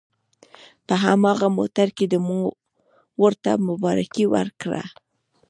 په هماغه موټر کې مو ورته مبارکي ورکړه.